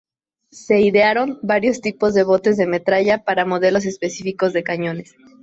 Se idearon varios tipos de botes de metralla para modelos específicos de cañones.